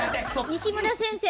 西村先生